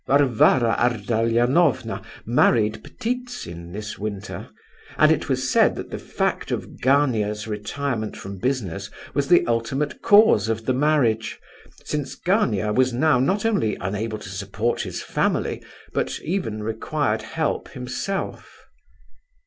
Varvara Ardalionovna married Ptitsin this winter, and it was said that the fact of Gania's retirement from business was the ultimate cause of the marriage, since Gania was now not only unable to support his family, but even required help himself.